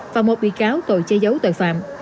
và một bị cáo tội che giấu tội phạm